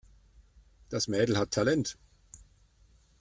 Das Mädel hat Talent.